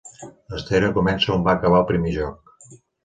La història comença on va acabar el primer joc.